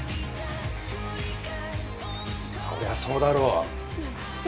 そりゃそうだろ。